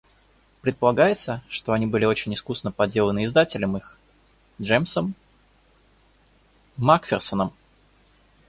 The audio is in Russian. Предполагается, что они были очень искусно подделаны издателем их Джемсом Макферсоном.